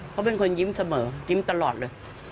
เขาเป็นคนยิ้มเสมอยิ้มตลอดเลย